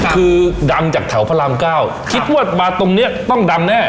คือดังจากแถวพระรามเก้าคิดว่ามาตรงนี้ต้องดังแน่